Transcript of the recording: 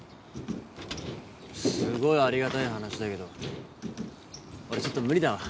すごいありがたい話だけど俺ちょっと無理だわ。